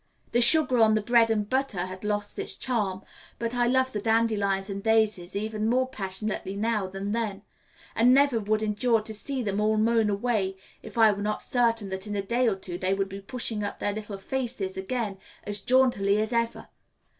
The sugar on the bread and butter has lost its charm, but I love the dandelions and daisies even more passionately now than then, and never would endure to see them all mown away if I were not certain that in a day or two they would be pushing up their little faces again as jauntily as ever.